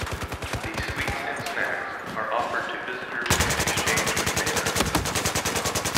These sweets and snacks are offered to visitors and exchanged with neighbors.